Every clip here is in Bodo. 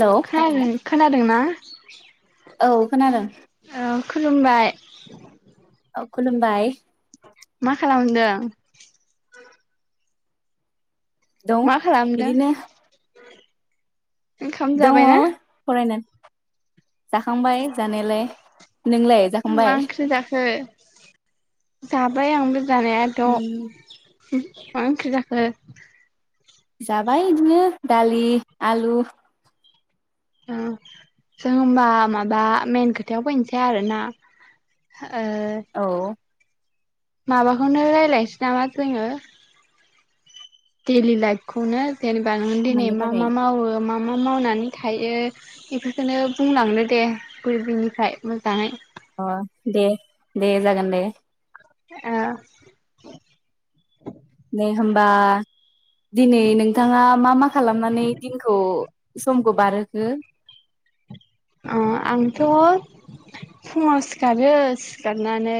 हेलौ दोंना औ खोनादों खुलुमबाय औ खुलुमबाय मा खालामदों दं मा खालामदों बिदिनो ओंखाम दङ जाबायना फरायनानै जाखांबाय जानायालाय नोंलाय मा जाखांबाय? ओंख्रि जाखो जाबाय आंबो जानायाथ' [unintelligible] मा ओंख्रि जाखो? जाबाय इदिनो दालि आलु ओ जों होमबा माबा मेन खोथायाव फैनोसै आरोना ओ औ माबाखौनो रायजलायनोसै नामा जोङो देलि लाइभखौनो जेनेबा नों दिनै मानि मा बागै मा मावो मा मा मावनानै थायो बेफोरखौनो बुंलांनो दे गुदिनिफ्राय मोजाङै अ दे दे जागोन दे ओ दे होमबा दिनै नोंथाङा मा मा खालामनानै दिनखौ समखौ बारहोखो अ आंथ' फुङाव सिखारो सिखारनानै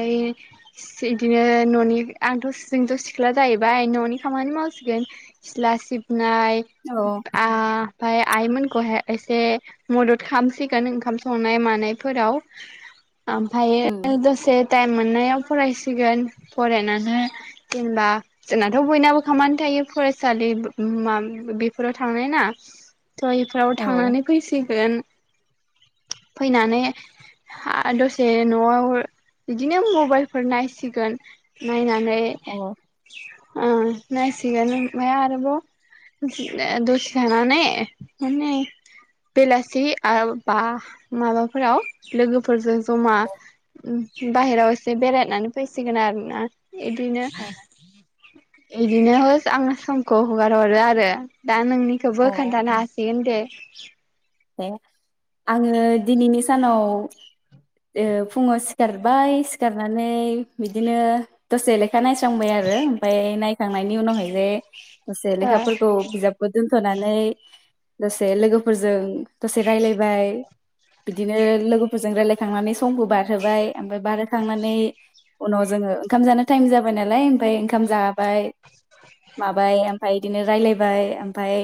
बिदिनो न'नि आंथ' जोंथ' सिख्ला जाहैबाय न'नि खामानि मावसिगोन सिथ्ला सिब नाय औ आ ओमफाय आइमोनखौ एसे मदद खामसि गोन ओंखाम संनाय मानायफोराव उम आमफायो दसे टाइम मोननायाव फरायसिगोन फरायनानै जेनेबा जोंनाथ' बयनाबो खामानि थायो फरायसालि मा बेफोराव थांनाय ना थ इफोराव औ थांनानै फैसिगोन फैनानै दसे हा न'आव बिदिनो मबाइल फोर नायसिगोन नायनानै नै अ ओ नायसिगोन ओमफाय आरोबाव दसे थानानै माने बेलासि आ बा माबाफोराव लोगोफोरजों ज'मा बाहेराव एसे बेरायनानै फैसिगोन आरोना इदिनो अ बिदिनो हो आं समखौ हगार हरो आरो दा नोंनिखौबो अ खोन्थानो हासिगोन दे [inaudible] आङो दिनैनि सानाव ओ फुङाव सिखारबाय सिखारनानै बिदिनो दसेे ले खा नायस्रांबाय आरो ओमफाय नाय थांनायनि उनावहाय जे से ओ लेखाखौ बिजाब ब संनानै दसे लोगोफोरजों दसे रायलायबाय बिदिनो लोगोफोरजों रायजलायखांनानै समखौ बारहोबाय ओमफाय बारा थांनानै उनाव जोङो ओंखाम जानो टाइम जाबाय नालाय ओमफ्राय ओंखाम जाबाय माबाय फाय इदिनो रायलायबाय ओमफाय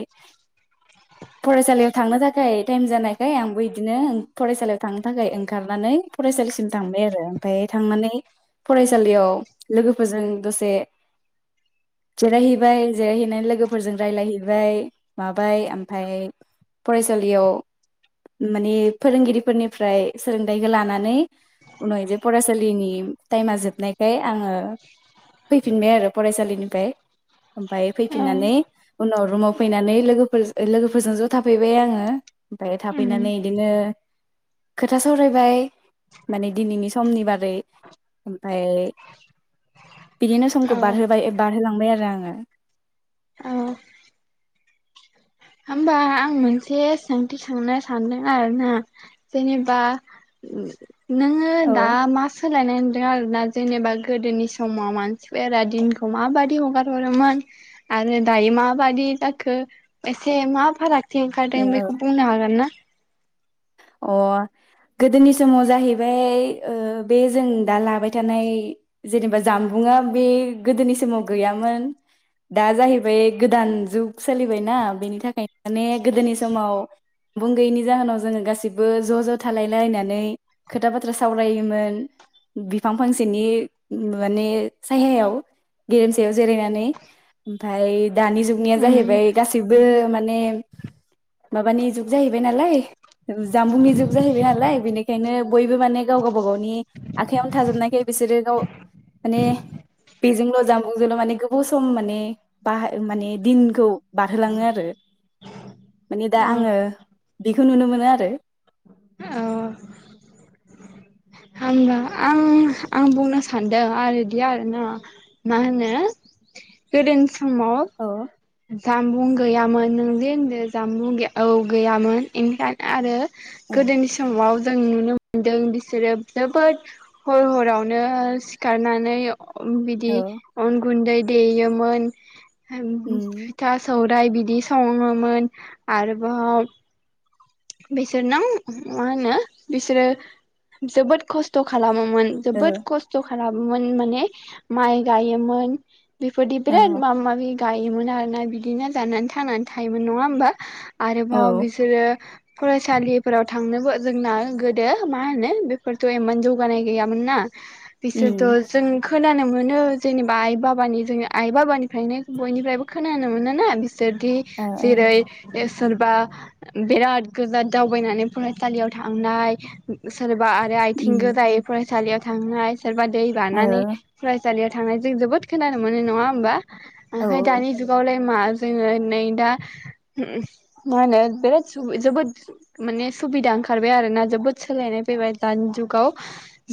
फरायसालियाव थांनो था खाय टाइम जानायखाय आंबो इदिनो फरायसालियाव थांनो थाखाय ओंखारनानै फरायसालिसिम थांबाय आरो ओमफाय थांनानै फरायसालियाव लोगोफोरजों दसे जिरायहैबाय जिरायहैनानै लोगोफोरजों रायलायहैबाय माबाय ओमफाय फरायसा थालियाव माने फोरोंगिरिफोरनिफ्राय सोलोंथाइखो लानानै उनाव जे फरायसालिनि टाइमा जोबनायखाय आङो फैफिनबाय आरो फरायसालिनिफाय ओमफाय औ फैफिननानै उनाव रुमाव फैनानै लोगोफोर लोगोफोरजों ज' थाफैबाय आङो ङो ओमफाय उम थाफैनानै इदिनो खोथा सरायबाय माने दिनैनि समनि बारै ओमफाय बिदिनो समखौ औ बारहोबाय बारहोलांबाय आरो, रा आङो औ होनबा आं मोनसे सोंथि सोंनो सानदों आरो ना जेनेबा नोङो औ दा मा सोलायनाय मोनदों? आरो ना, जेनेबा गोदोनि समाव मानसिफोरा दिनखौ माबादि हगार हरोमोन आरो दायो माबादि जाखो एसे मा फाराग थि ओंखारदों बेखौ बुंनो हागोन ना? अ गोदोनि समाव जाहैबाय ओ बे जों दा लाबाय थानाय जेनेबा जामबुंआ बे गोदोनि समाव गैयामोन। दा जाहैबाय गोदान जुग सोलिबायना बिनि थाखाय माने गोदोनि समाव बुं‌ गैयैनि जाहोनाव जोङो गास सिबो ज' ज' थालायलायनानै खोथा बाथ्रा सावरायोमोन बिफां फांसेनि माने साहायाव गेरेमसायाव जिरायनानै ओमफाय दानि जुगनिया उम जाहैबाय गासैबो माने [unintelligible] माबानि जुग जाहैबाय नालाय जामबुंनि जुग जाहैबाय नालाय बेनिखायनो बयबो माने गाव गावबा गावनि आखायावनो थाजोबनायखाय बिसोरो गाव माने बेजोंल' जामबुंजोंल' माने गोबाव सम माने बाहाय माने दिनखौ बारहोलाङो आरो माने दा औ आङो बि खौ नुनो मोनो आर रो औ होनबा आं आं बुंनो सानदों आरोदि आरो ना मा होनो गोदो समाव औ जामबुं गैयामोन नों जे होनदो जामुं औ गैयामोन इनफेक आरो औ गोदोनि समाव जों नुनो मोनो मोनदों बिसोरो जोबोद हर हरावनो सिखारनानै बिदि औ अन गुन्दै देयोमोन। ओम फिथा सौराय बिदि सङोमोन आरोभाव बिसोर नों मा होनो बिसोरो जोबोद खस्थ' खालाम मोन औ जोबोद खस्थ' खालामो मोन माने माइ गायोमोन बेफोरदि बिराद माबा माबि गाय इ मोन आरोना बिदिनो जानानै थांनानै थायोमोन नङा होमबा औ आरोबाव बिसोरो फरायसालिफोराव थांनोबो जोंना गोदो मा होनो बेफोरथ' इमान जौगानाय गैयामोन ना बिसोरथ' उम जों खोनानो मोनो जेनेबा आइ बाबानि जोंनि आइ बाबानिफ्रायनो बयनिफ्रायबो खोनानो मोन ना बिस जदि ओ ओ जेरै सोरबा बेराद गोजा दावबायनानै फरायसालियाव थांनाय सोर बा आरो आथिं उम गोजायै सालियाव थांनाय सोरबा दै बारनानै फरायसालियाव थांनायजों जोबोद खोनानो मोनो नङा होनोमबा? ओ ओमफाय औ दानि जुगावलाय मा जोङो नै दा उम मा होनो बिराद सुबि जोबोद माने सुबिदा ओंखारबाय आरोना जोबोद सोलायनाय फैबाय दानि जुगाव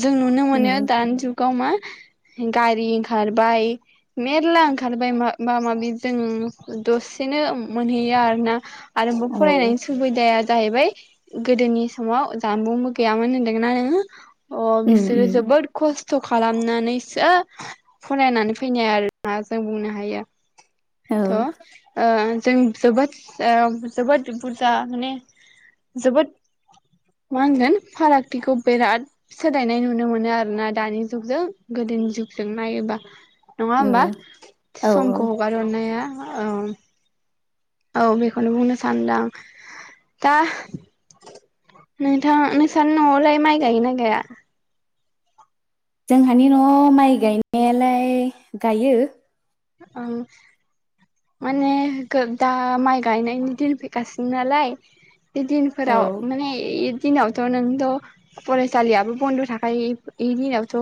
जों नुनो मोनो दानि जुगाव मा गारि ओंखारबाय मेर्ला ओंखारबाय मा मा माबि जों दसेनो मोनहैयो आरो ना आरोबाव औ फरायनायनि सुबिदाया जाहैबाय गोदोनि समाव जानबुंबो गैयामोन होनदोंना नोङो अ उम बिसोर उम जोबद खस खस्थ' खालामनानैसो फनायनानै फैनाय आरोना जों बुंनो हायो। औ थ ओ जों जोबोद ओ जोबोद जा माने जोबोद मा होनगोन फारागथिखौ बिराद सोलायनाय नुनो मोनो आरोना दानि जुगजों गोदोनि जुगजों नायोबा। नङा औ होमबा औ समखौ हगार हरनाया? औ औ बेखौनो बुंनो सानदों आं दा नोंथां नोंसानि न'आवलाय माइ गायोना गाया? जोंहानि न'आव माइ गायनायालाय गायो ओं माने गो दा माइ गायनायनि दिन फैगासिनो नालाय दिनफोराव औ माने दिनावथ' नोंथ' फरायसालियाबो बन्द' थाखायो ए दिनावथ'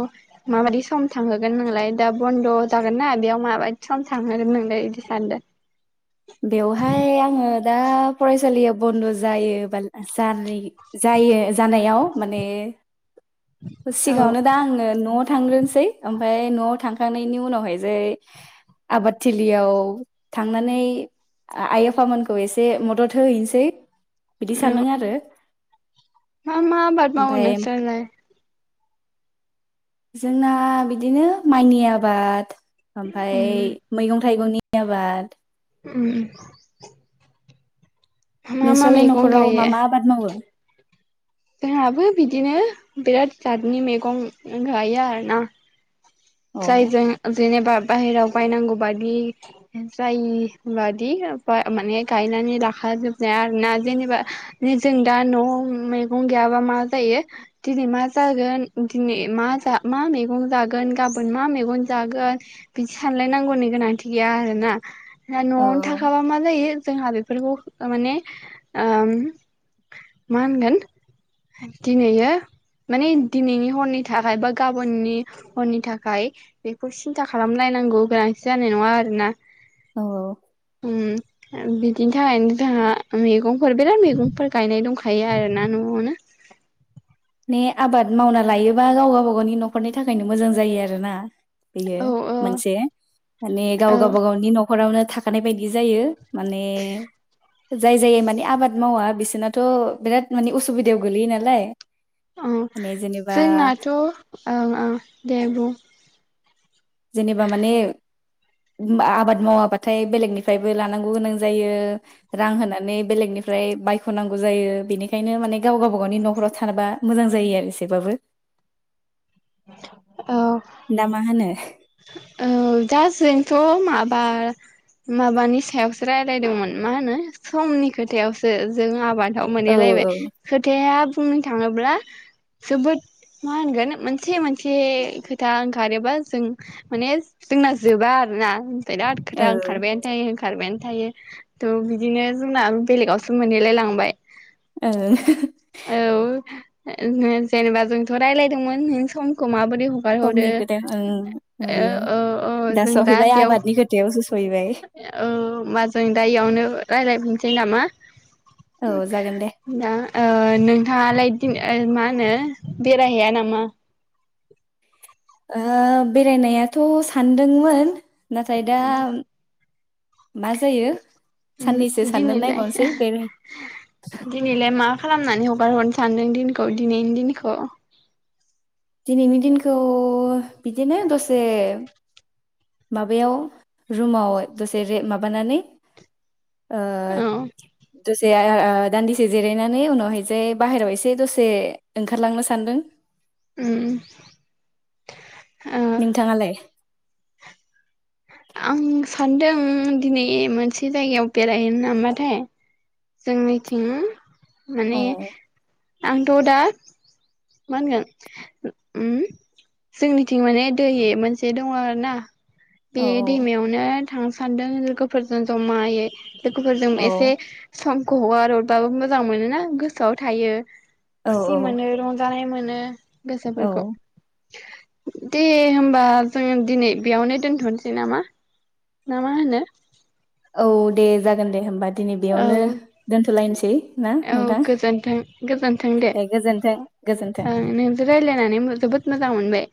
माबायदि सम थांहोगोन नोंलाय दा बन्द' जागोनना बेयाव माबायदि सम थांहोगोन नोंलाय बिदि? सानदो बेवहाय आङो दा फरायसालिया बन्द' जायो बा [unintelligible] जायो जानायाव माने औ सिगाङावनो दा आङो न थांग्रोनोसै ओमफ्राय न'आव थांखांनायनि उनावहाय जे आबादथिलियाव थांनानै आइ आफामोनखौ एसे मदद होहैनोसै। बिदि औ सानदों आरो मा मा आबाद मावो ओमफ्राय नोंसोरलाय जोंना बिदिनो माइनि आबाद ओमफाय उम मैगं थाइगंनि। आबाद उम मा मा नोंस्रालाय मैगं न'खराव मा गायो मा आबाद मावो? जोंहाबो बिदिनो बिराद जादनि मैगं गायो आरोना अ जाइ जों जेनबा बाहेरायाव बायनांगौ बादि जाय बादि माने गायनानै लाखाजोबनाय आरोना जेनेबा जों दा न' मैगं गैयाबा मा जायो दिनै मा जागोन दिनै मा मा मैगं जागोन गाबोन मा मैगं जागोन बिदि सानलायनांगौनि गोनांथि गैया आरोना दा औ न'आवनो थाखाबा मा जायो जोंहा बेफोरखौ माने ओ मा होनगोन दिनैयो माने दिनैनि हरनि थाखाय बा गाबोननि हरनि थाखाय बेखौ सिन्था खालामलायनांगौ गोनांथि जानाय नङा आरोना औ औ ओम बिदिनि थाखायनो जोंहा मैगंफोर बिराद मैगंफोर गायनाय दंखायो आरोना न'आव न'आवनो माने आबाद मावना लायोबा गाव गावबा गावनि न'खरनि थाखायनो मोजां जायो आरो ना बेयो औ औ मोनसे माने गाव औ गावबा गावनि न'खरावनो थाखानाय बायदि जायो माने जाय जाय माने आबाद मावा बिसोरनाथ' बिराद माने असुबिदायाव गोलैयो नालाय औ माने जेनेबा जोंनाथ' ओं ओं दे बुं जेनेबा माने आबाद मावाबाथाय बेलेगनिफ्रायबो लानांगौ गोनां जायो रां होनानै बेलेगनिफ्राय बायख'नांगौ जायो बेनिखायनो माने गाव गावबा गावनि न'खराव थाबा मोजां जायो आरो एसेबाबो [inaudible] औ ना मा होनो औ दा जोंथ' मा बा माबानि सायावसो रायलायदोंमोन मा होनो समनि खोथायावसो जों आबाद औ मोनहैलायबाय खोथाया बुंनो थाङोब्ला जोबोद मा होनगोन मोन मोनसे मोनसे खोथा ओंखारोबा जों माने जोंना जोबा आरोना बिराद औ खोथा ओंखारबायानो थायो खारबायानो थायो थ' बिदिनो जोंना बेलेगावसो मोनहैलाय लांबाय औ अ जेनेबा जोंथ' रायलायदोंमोन नों समखौ माबो रै हगार हरो समनि खोथाया ओं नोङो ओ औ औ जों दा सहैबाय बेयाव आबादनि खोथायावसो सहैबाय ओ मा जों दा इयावनो रायलायफिन सै नामा औ उ जागोन दे दा ओ नोंथाङालाय इदिनो मा होनो बेरायहैया नामा?? ओह बेरायनायाथ' सानदोंमोन नाथाय दा मा जायो उम साननैसो सानना दिनैलाय नायबावनोसै बेनि दिनैलाय मा खालामनानै हगार हरनो सानदों दिनखौ दिनैनि दिनखौ दिनैनि दिनखौ बिदिनो दसे माबायाव रुमाव दसेे रे माबानानै आ औ [unintelligible] ओ ओ दानदिसे जिरायनानै उनावहायजाय बाहेरायाव एसे दसे ओंखारलांनो सानदों। उम। ओ नोंथाङालाय? आं सानदों दिनै मोनसे जायगायाव बेरायहैनो नामाथाय जोंनिथिं औ माने आंथ' दा मा होनगोन उम जोंनिथिं माने दै मोनसे दङ आरो ना औ बे दैमायावनो थांनो सानदों लोगोफोरजों ज'मायै लोगोफोरजों औ एसे समखौ हगाररबाबो मोजां मोनोना गोसोआव थायो औ खुसि औ मोनो रंजानाय मोन [unintelligible] गोसोफोरखौ औ दे होमबा जोंङो दिनै बेयावनो दोनथ'नोसै नामा ना मा होनो? औ दे जागोन दे होमबा दिनै औ बेयावनो दोनथ'लायनोसै ना औ नोंथां गोजोनथों गोजोनथों दे गोजोन्थों गोजोन्थों ओं नोंजों रायज्लायनानै जोबोद मोजां मोनबाय।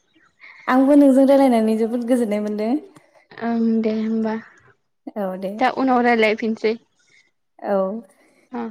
आंबो नोंजों रायलायनानै जोब बहुत गोजोन [unintelligible] ओं दे होमबा औ दे दा उनाव रायजलायफिनसै औ अ